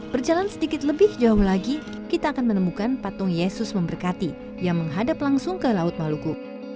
berjalan sedikit lebih jauh lagi kita akan menemukan patung yesus memberkati yang menghadap langsung ke laut maluku